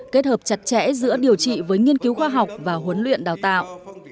kết hợp chặt chẽ giữa điều trị với nghiên cứu khoa học và huấn luyện đào tạo